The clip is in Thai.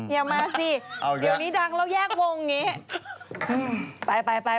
อย่ามาสิเดี๋ยวนี้ดังแล้วแยกวงอย่างนี้